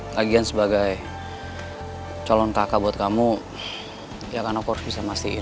lagian sebagai calon kakak buat kamu ya kan aku harus bisa masin